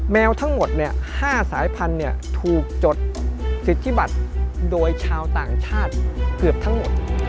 แมวทั้งหมด๕สายพันธุ์ถูกจดสิทธิบัตรโดยชาวต่างชาติเกือบทั้งหมด